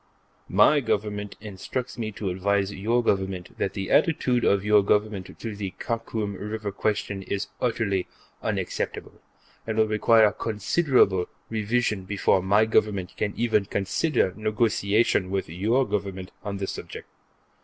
My Government instructs me to advise your Government that the attitude of your Government in the Khakum River question is utterly unacceptable, and will require considerable revision before my Government can even consider negotiation with your Government on the subject.